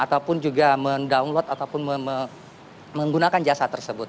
ataupun juga mendownload ataupun menggunakan jasa tersebut